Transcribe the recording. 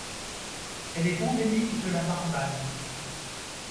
Elle est endémique de la Barbade.